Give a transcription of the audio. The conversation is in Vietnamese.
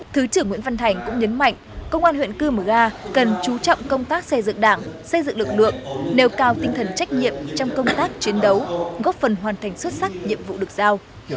thứ trưởng nguyễn văn thành cũng nhấn mạnh công an huyện cư mờ ga cần chú trọng công tác xây dựng đảng xây dựng lực lượng nêu cao tinh thần trách nhiệm trong công tác chiến đấu góp phần hoàn thành xuất sắc nhiệm vụ được giao